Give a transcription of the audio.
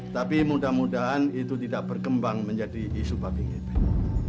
tapi mudah mudahan itu tidak berkembang menjadi isu baging itu